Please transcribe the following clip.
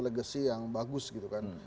legacy yang bagus gitu kan